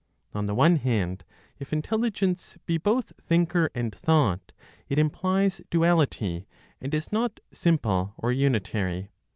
On the one hand, if intelligence be both thinker and thought, it implies duality, and is not simple or unitary.